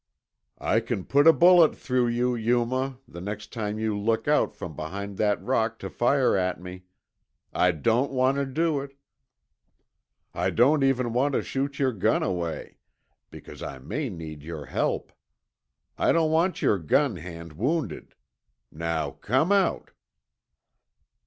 "I can put a bullet through you, Yuma, the next time you look out from behind that rock to fire at me. I don't want to do it. I don't even want to shoot your gun away, because I may need your help. I don't want your gun hand wounded. Now come out!"